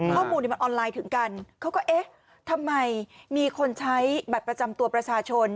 ข้อมูลในมันออนไลน์ถึงกันเขาก็เอ๊ะทำไมมีคนใช้บัตรประจำตัวประชาชน